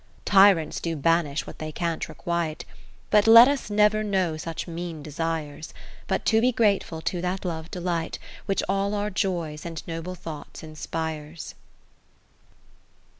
XX Tyrants do banish what they can't requite : But let us never know such mean desires ; But to be grateful to that love delight Which all our joys and noble thoughts inspires.